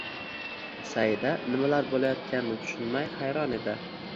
Saida nimalar bo`layotganini tushunmay xayron edi